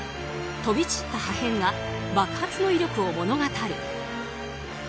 飛び散った破片が爆発の威力を物語る。